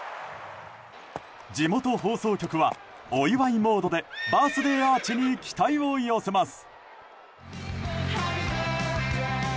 地元放送局は、お祝いモードでバースデーアーチに期待を寄せます。